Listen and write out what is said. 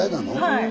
はい。